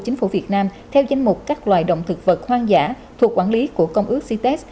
chính phủ việt nam theo danh mục các loài động thực vật hoang dã thuộc quản lý của công ước cites